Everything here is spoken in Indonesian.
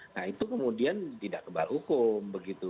nah itu kemudian tidak kebal hukum begitu